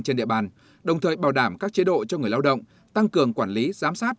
trên địa bàn đồng thời bảo đảm các chế độ cho người lao động tăng cường quản lý giám sát